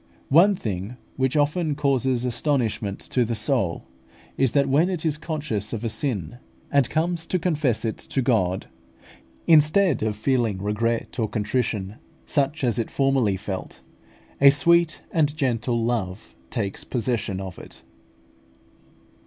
One thing which often causes astonishment to the soul is, that when it is conscious of a sin, and comes to confess it to God, instead of feeling regret and contrition, such as it formerly felt, a sweet and gentle love takes possession of it.